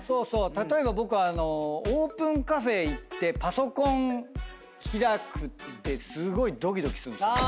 例えば僕オープンカフェ行ってパソコン開くってすごいドキドキするんですよ。